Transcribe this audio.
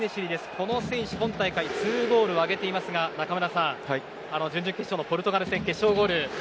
この選手、今大会２ゴールを挙げていますが中村さん、準々決勝ポルトガル戦の決勝ゴール